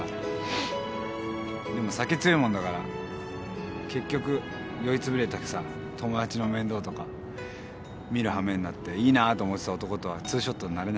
でも酒強いもんだから結局酔いつぶれた友達の面倒とか見るはめになっていいなぁと思ってた男とはツーショットになれないんだよね。